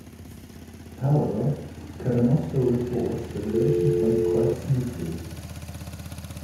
However, Cadamosto reports their relations went quite smoothly.